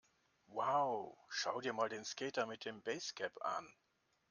Wow, schau dir mal den Skater mit dem Basecap an!